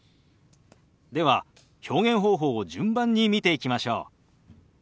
では表現方法を順番に見ていきましょう。